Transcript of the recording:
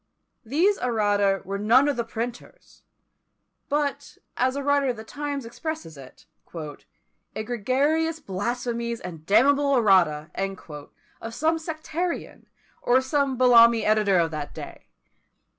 These errata were none of the printer's; but, as a writer of the times expresses it, "egregious blasphemies, and damnable errata" of some sectarian, or some Bellamy editor of that day!